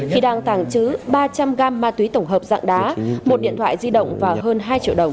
khi đang tàng trữ ba trăm linh g ma túy tổng hợp dạng đá một điện thoại di động và hơn hai triệu đồng